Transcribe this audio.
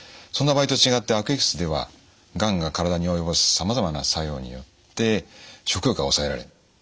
そんな場合と違って悪液質ではがんが体に及ぼすさまざまな作用によって食欲が抑えられる。